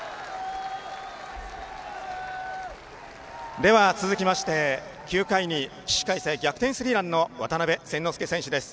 では、続きまして９回に逆転スリーランの渡邉千之亮選手です。